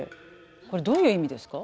これどういう意味ですか？